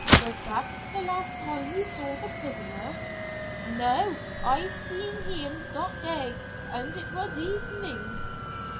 '" "Was that the last time you saw the prisoner?" "No, I seen heem dot day und it vas efening."